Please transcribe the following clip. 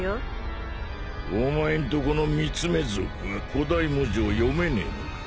お前んとこの三つ目族は古代文字を読めねえのか？